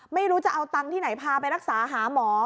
ไม่รู้จะเอาตังค์ที่ไหนพาไปรักษาหาหมอ